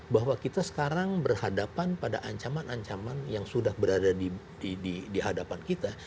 bahwa kita sekarang berhadapan pada ancaman ancaman yang sudah berada di hadapan kita